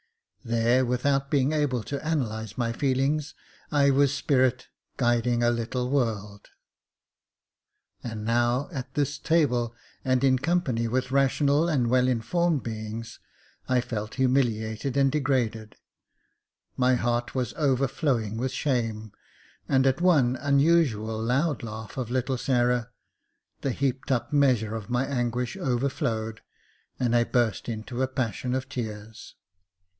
There, without being able to analyse my feelings, I was a spirit guiding a little world ; and now, at this table, and in company with rational and well informed beings, I felt humiliated and degraded ; my heart was overflowing with shame, and at one unusual loud laugh of the little Sarah, the heaped up measure of my anguish overflowed, and I burst into a passion of tears.